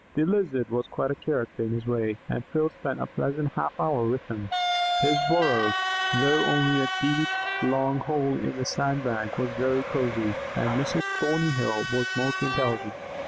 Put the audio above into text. The Lizard was quite a character in his way, and Phil spent a pleasant half hour with him. His burrow, though only a deep long hole in the sand bank, was very cosy, and Mrs. Thorny tail was most intelligent.